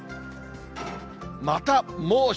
また猛暑。